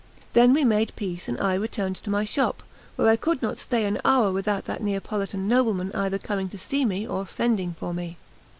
Then we made peace, and I returned to my shop, where I could not stay an hour without that Neapolitan nobleman either coming to see me or sending for me.